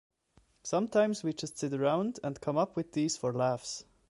Sometimes we just sit around and come up with these for laughs.